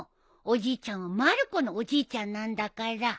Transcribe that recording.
おじいちゃんはまる子のおじいちゃんなんだから。